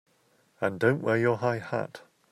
And don't wear your high hat!